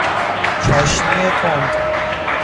چاشنی تند